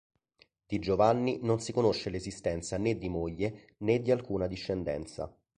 Di Giovanni non si conosce l'esistenza né di moglie, né di alcuna discendenza